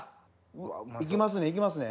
行きますね？